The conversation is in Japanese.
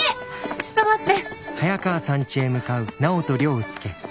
ちょっと待って！